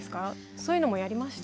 そういうのもやりました？